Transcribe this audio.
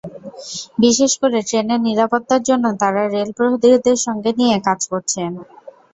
বিশেষ করে ট্রেনের নিরাপত্তার জন্য তাঁরা রেল প্রহরীদের সঙ্গে নিয়ে কাজ করছেন।